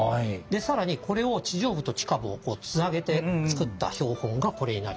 更にこれを地上部と地下部をつなげて作った標本がこれになります。